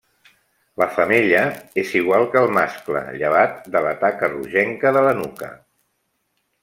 La femella és igual que el mascle llevat de la taca rogenca de la nuca.